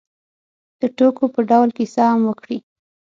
د ټوکو په ډول کیسې هم وکړې.